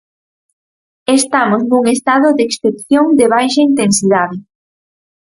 Estamos nun estado de excepción de baixa intensidade.